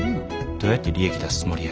どうやって利益出すつもりや。